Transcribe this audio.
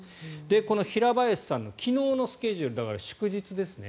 この平林さんの昨日のスケジュールだから祝日ですね。